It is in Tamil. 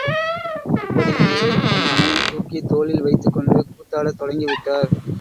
அப்படியே தன் மகனைத் தூக்கித் தோளில் வைத்துக்கொண்டு கூத்தாடத் தொடங்கிவிட்டார்.